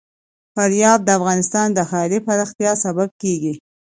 فاریاب د افغانستان د ښاري پراختیا سبب کېږي.